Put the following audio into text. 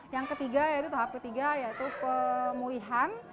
yang ketiga yaitu tahap ketiga yaitu pemulihan